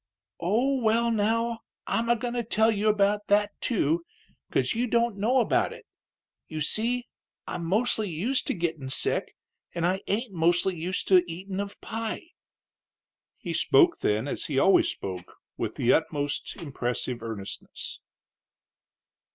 "Oh, well, now, I'm a goin' to tell you about that, too, 'cause you don't know about it. You see, I'm mostly used to gittin' sick, an' I ain't mostly used to eatin' of pie." He spoke then, as he always spoke, with the most impressive earnestness.